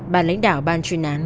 bà lãnh đạo ban truyền án